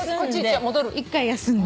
一回休んで。